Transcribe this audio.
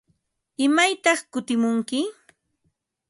¿Imaytaq kutimunki?